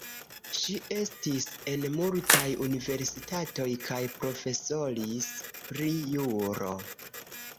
Ŝi estis en multaj universitatoj kaj profesoris pri juro.